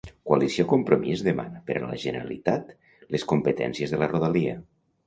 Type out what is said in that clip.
Coalició Compromís demana, per a la Generalitat, les competències de la Rodalia.